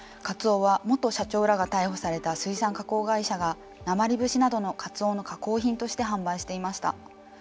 カツオは元社長らが逮捕された水産加工会社がなまり節などのカツオの加工品などとして販売していました。